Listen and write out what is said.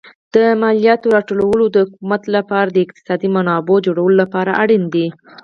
د مالیاتو راټولول د حکومت لپاره د اقتصادي منابعو جوړولو لپاره اړین دي.